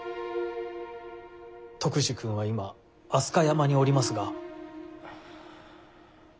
・篤二君は今飛鳥山におりますが。